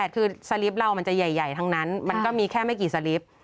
คือสลิปเรามันจะใหญ่ทั้งนั้นมันก็มีแค่ไม่กี่สลิป